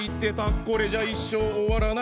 これじゃあ一生終わらない。